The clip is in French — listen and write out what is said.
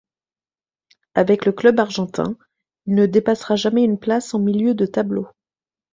Avec le club argentin, il ne dépassera jamais une place en milieu de tableau.